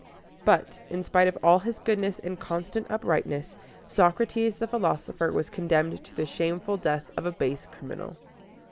But, in spite of all his goodness and constant uprightness, Socrates the philosopher was condemned to the shameful death of a base criminal.